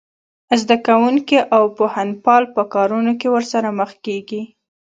زده کوونکي او پوهنپال په کارونه کې ورسره مخ کېږي